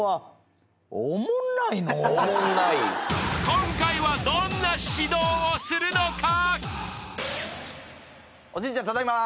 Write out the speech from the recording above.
［今回はどんな指導をするのか？］